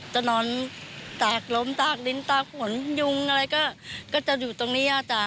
จะนอนแตกล้มตากลิ้นตากฝนยุงอะไรก็จะอยู่ตรงนี้